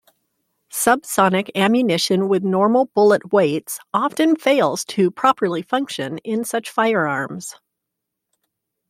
Subsonic ammunition with normal bullet weights often fails to properly function in such firearms.